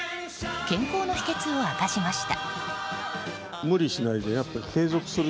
健康の秘訣を明かしました。